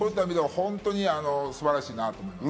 素晴らしいなと思います。